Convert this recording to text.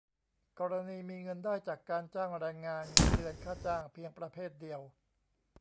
กรณีมีเงินได้จากการจ้างแรงงาน เงินเดือน ค่าจ้าง เพียงประเภทเดียว